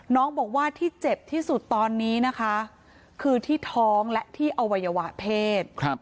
น้องบอกว่าที่เจ็บที่สุดตอนนี้นะคะคือที่ท้องและที่อวัยวะเพศ